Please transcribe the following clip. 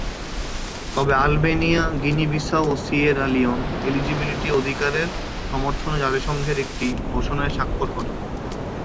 তবে, Albania, Guinea Bissau ও Sierra Leone LGBT অধিকারের সমর্থনে জাতিসংঘের একটি ঘোষণায় স্বাক্ষর করে।